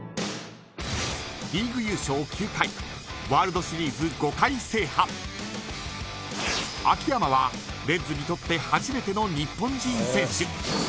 リーグ優勝９回ワールドシリーズ５回制覇秋山は、レッズにとって初めての日本人選手。